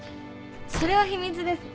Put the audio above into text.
それは秘密です。